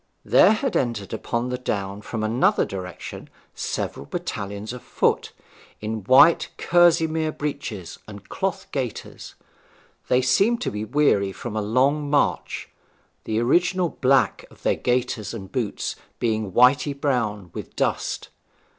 There had entered upon the down from another direction several battalions of foot, in white kerseymere breeches and cloth gaiters. They seemed to be weary from a long march, the original black of their gaiters and boots being whity brown with dust.